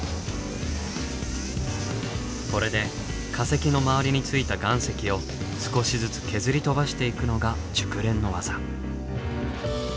これで化石の周りについた岩石を少しずつ削り飛ばしていくのが熟練の技。